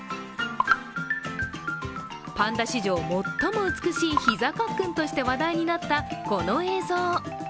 パンダ史上最も美しいひざカックンとして話題になったこの映像。